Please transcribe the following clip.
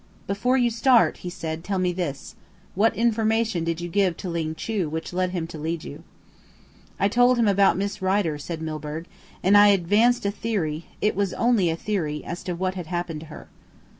"Before you start," he said, "tell me this: What information did you give to Ling Chu which led him to leave you?" "I told him about Miss Rider," said Milburgh, "and I advanced a theory it was only a theory as to what had happened to her."